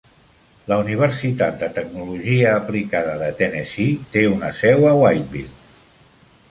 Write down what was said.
La Universitat de Tecnologia Aplicada de Tennessee té una seu a Whiteville.